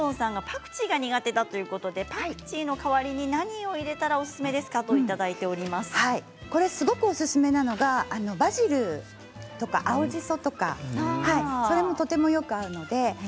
パクチーが苦手だということでパクチーの代わりに何がおすすめですか？とおすすめなのがバジルとか青じそとかそれもよく合います。